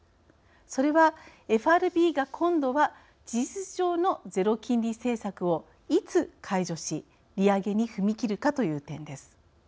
それはＦＲＢが今度は事実上のゼロ金利政策をいつ解除し利上げに踏み切るか？という点です。